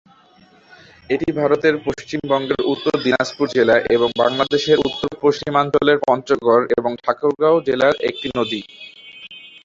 এটি ভারতের পশ্চিমবঙ্গের উত্তর দিনাজপুর জেলা এবং বাংলাদেশের উত্তর-পশ্চিমাঞ্চলের পঞ্চগড় এবং ঠাকুরগাঁও জেলার একটি নদী।